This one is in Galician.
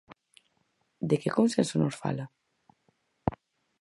¿De que consenso nos fala?